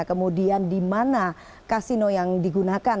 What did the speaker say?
kemudian di mana kasino yang digunakan